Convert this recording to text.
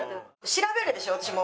調べるでしょ私も。